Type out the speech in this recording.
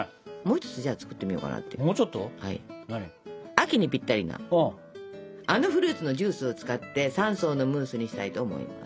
秋にぴったりなあのフルーツのジュースを使って３層のムースにしたいと思います。